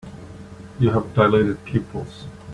You have dilated pupils.